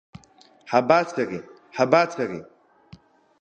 Ҳабацари, ҳабацари!